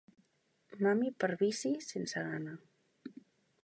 Mami per vici, sense gana.